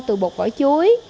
từ bột vỏ chuối